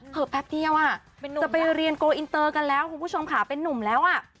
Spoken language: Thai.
แป๊บเดียวอ่ะจะไปเรียนโกอินเตอร์กันแล้วคุณผู้ชมค่ะเป็นนุ่มแล้วอ่ะ